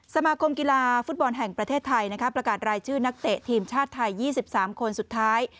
สมาคมกีฬาฟุตบอลแห่งประเทศไทยประกาศรายชื่อนักเตะทีมชาติไทย๒๓คนสุดท้าย